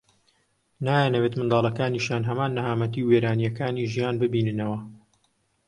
نایانەوێت منداڵەکانیشیان هەمان نەهامەتی و وێرانەییەکانی ژیان ببیننەوە